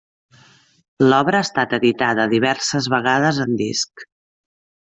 L'obra ha estat editada diverses vegades en disc.